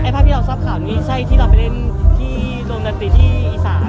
ภาพที่เราทราบข่าวนี้ใช่ที่เราไปเล่นที่โรงดนตรีที่อีสาน